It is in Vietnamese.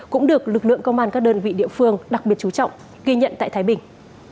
cũng được lực lượng công an các đơn vị địa phương đặc biệt chú trọng ghi nhận tại thái bình